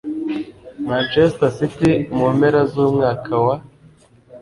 manchester city mumpera z'umwaka wa